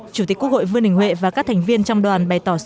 chủ tịch quốc hội vương đình huệ và các thành viên trong đoàn bày tỏ sức khỏe